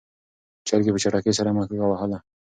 چرګې په چټکۍ سره مښوکه وهله.